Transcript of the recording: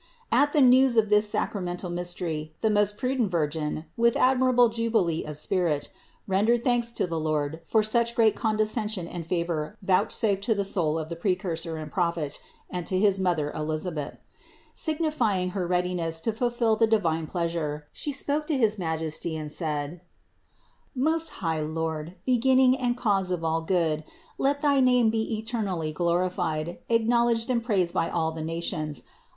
191. At the news of this sacramental mystery the most prudent Virgin, with admirable jubilee of spirit, rendered thanks to the Lord for such great condescension and favor vouchsafed to the soul of the Precursor and 154 THE INCARNATION 155 Prophet and to his mother Elisabeth. Signifying her readiness to fulfill the divine pleasure, She spoke to his Majesty and said: "Most high Lord, beginning and cause of all good, let thy name be eternally glorified, acknowledged and praised by all the nations.